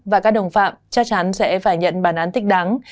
và các đồng phạm chắc chắn sẽ phải nhận bản án thích đáng